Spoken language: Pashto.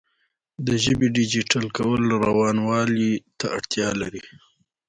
د ژبې ډیجیټل کول روانوالي ته اړتیا لري.